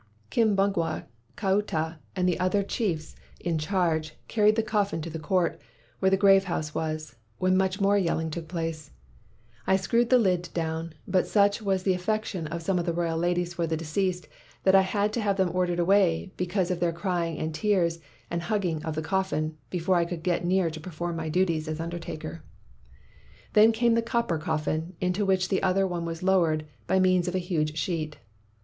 "Kimbugwa, Kauta, and the other chiefs 187 WHITE MAN OF WORK in charge, carried the coffin to the court, where the grave house was, when much more yelling took place. I screwed the lid down, but such was the affection of some of the royal ladies for the deceased that I had to have them ordered away, because of their crying and tears and hugging of the coffin, before I could get near to perform my duties as undertaker. "Then came the copper coffin, into which the other was lowered by means of a huge sheet.